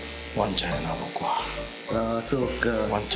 あそうか。